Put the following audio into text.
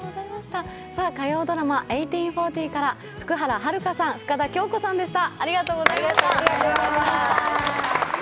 火曜ドラマ「１８／４０」から福原遥さん、深田恭子さんでした。